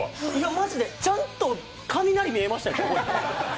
マジでちゃんと雷見えましたよ。